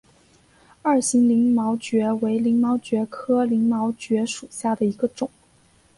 二型鳞毛蕨为鳞毛蕨科鳞毛蕨属下的一个种。